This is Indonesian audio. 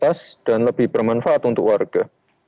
tapi saya tidak mengingatkan itu untuk warga